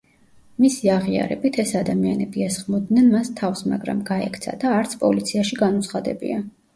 მისი აღიარებით, ეს ადამიანები ესხმოდნენ მას თავს, მაგრამ გაექცა და არც პოლიციაში განუცხადებია.